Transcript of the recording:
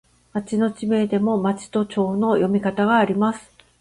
町の地名でも、まちとちょうの読み方があります。